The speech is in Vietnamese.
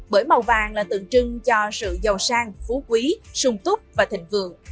bởi màu vàng là tượng trưng cho sự giàu sang phú quý sung túc và thịnh vườn